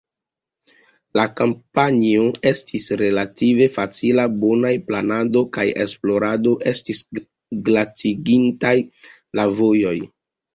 La kampanjo estis relative facila; bonaj planado kaj esplorado estis glatigintaj la vojon.